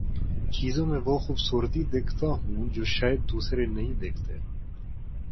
چیزوں میں وہ خوبصورتی دیکھتا ہوں جو شائد دوسرے نہیں دیکھتے